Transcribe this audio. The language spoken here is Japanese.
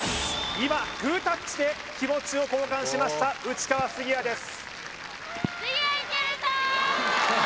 今グータッチで気持ちを交換しました内川杉谷です